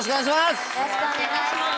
よろしくお願いします。